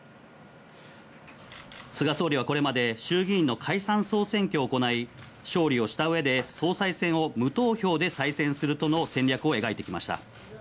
菅総理はこれまで衆議院の解散総選挙行い、勝利をした上で総裁選を無投票で再選するとの戦略を描いてきました。